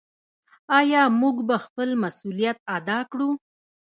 آیا موږ به خپل مسوولیت ادا کړو؟